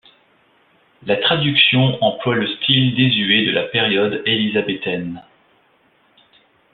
La traduction emploie le style désuet de la période élisabéthaine.